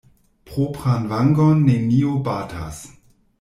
Propran vangon neniu batas.